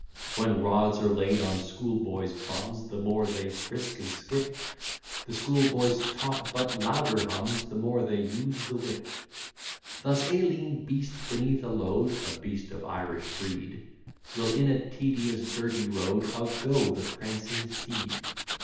When rods are laid on school boys' bums, The more they frisk and skip: The school boys' top but louder hums The more they use the whip. Thus, a lean beast beneath a load (A beast of Irish breed) Will, in a tedious dirty road, Outgo the prancing steed.